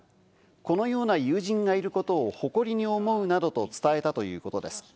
このような友人がいることを誇りに思うなどと伝えたということです。